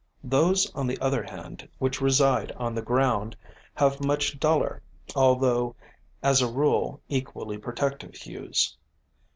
Those on the other hand which reside on the ground have much duller, although as a rule equally protective hues.